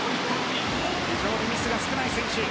非常にミスが少ない選手。